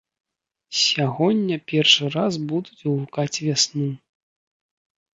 Сягоння першы раз будуць гукаць вясну.